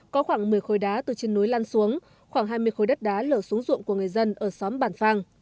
có khoảng một mươi khối đá từ trên núi lan xuống khoảng hai mươi khối đất đá lở xuống ruộng của người dân ở xóm bản phang